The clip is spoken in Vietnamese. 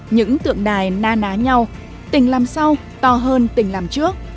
những tượng đài na ná nhau tình làm sau to hơn tỉnh làm trước